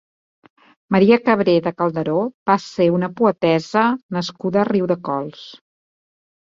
Maria Cabré de Calderó va ser una poetessa nascuda a Riudecols.